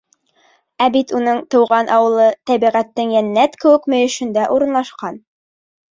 Ә бит уның тыуған ауылы тәбиғәттең йәннәт кеүек мөйөшөндә урынлашҡан.